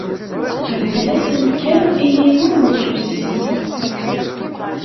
Tbeddel-as amkan i yiwen n ukersi.